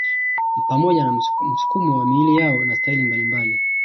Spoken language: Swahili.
Pamoja na msukumo wa miili yao na staili mbalimbali